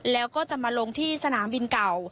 แล้วก็จะมาลงที่สนามบินเก่า